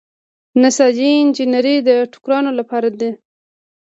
نساجي انجنیری د ټوکرانو لپاره ده.